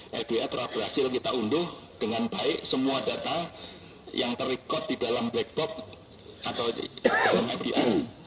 dan pada tanggal empat november fda telah berhasil kita unduh dengan baik semua data yang ter record di dalam black box atau di dalam fda